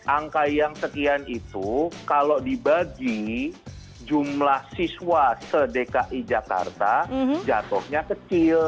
angka yang sekian itu kalau dibagi jumlah siswa se dki jakarta jatuhnya kecil